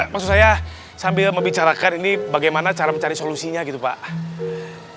maksud saya sambil membicarakan ini bagaimana cara mencari solusinya gitu pak